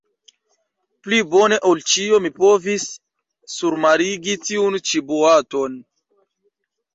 Pli bone ol ĉio mi povis surmarigi tiun-ĉi boaton.